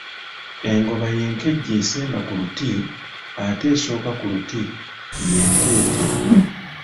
Engoba y’enkejje esemba ku luti, ate esooka ku luti y'entete.